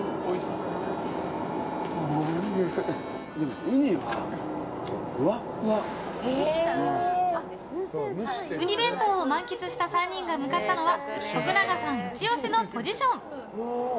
うに弁当を満喫した３人が向かったのは徳永さんイチ押しのポジション。